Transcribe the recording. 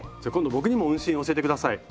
僕にも運針教えてください。